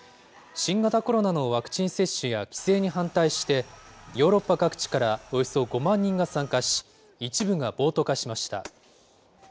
新型コロナのワクチン接種や規制に反対して、ヨーロッパ各地からおよそ５万人が参加し、一部が暴徒化しました。